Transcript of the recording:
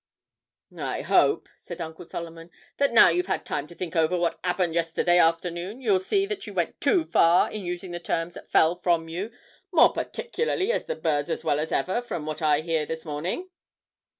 'I hope,' said Uncle Solomon, 'that now you've had time to think over what 'appened yesterday afternoon, you'll see that you went too far in using the terms that fell from you, more particularly as the bird's as well as ever, from what I hear this morning?'